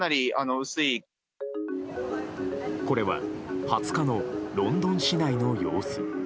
これは２０日のロンドン市内の様子。